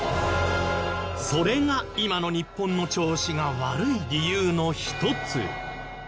それが今の日本の調子が悪い理由の一つ